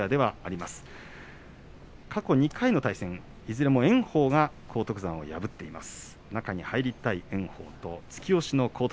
過去２回の対戦いずれも炎鵬が荒篤山を破っています。